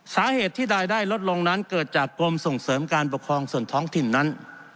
สาเหตุที่รายได้ลดลงนั้นเกิดจากกรมส่งเสริมการปกครองส่วนท้องถิ่นนั้น